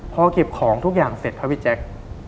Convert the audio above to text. พอเก็บของทุกอย่างเสร็จครับพี่แจ๊ค